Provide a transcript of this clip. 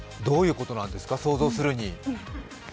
どういうことなんですか、想像するに。